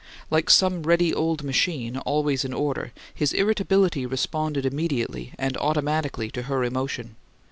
Like some ready old machine, always in order, his irritability responded immediately and automatically to her emotion.